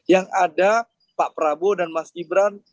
yang ada pak prabowo dan mas gibran